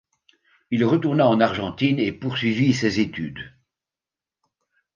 Il retourna en Argentine et poursuivit ses études.